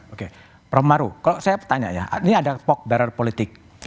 oke prof maru kalau saya tanya ya ini ada pock barrier politik